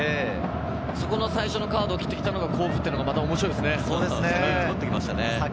その最初のカードを切ってきたのが甲府というのが面白いですよね。